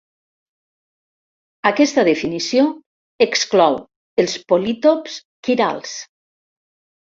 Aquesta definició exclou els polítops quirals.